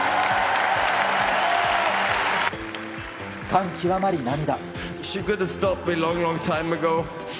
感極まり涙。